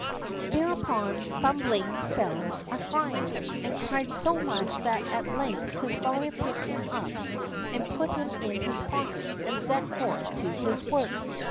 Thereupon Thumbling fell a crying, and cried so much that at length his father picked him up and put him in his pocket and set forth to his work.